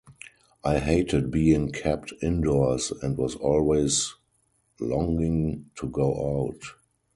I hated being kept indoors and was always longing to go out.